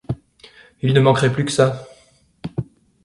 Il ne manquerait plus que ça.